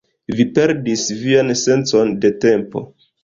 Vi perdis vian sencon de tempo